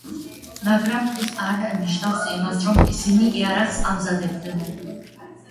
მაგრამ ეს არ ნიშნავს იმას, რომ ისინი იარაღს ამზადებდნენ.